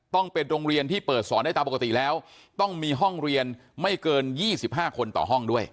ต้องเป็นโรงเรียนที่เปิดสอนได้ตามปกติแล้วต้องมีห้องเรียนไม่เกิน๒๕คนต่อห้องด้วย